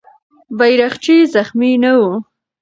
بیرغچی زخمي نه و.